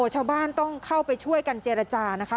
ชาวบ้านต้องเข้าไปช่วยกันเจรจานะคะ